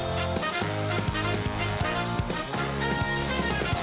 โปรดติดตามตอนต่อไป